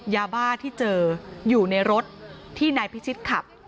ยาบ้าที่เจออยู่ในรถที่นายพิชิตขับ